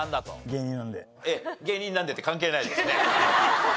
「芸人なんで」って関係ないですね。